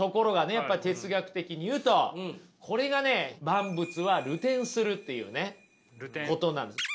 やっぱ哲学的に言うとこれがね万物は流転するっていうねことなんです。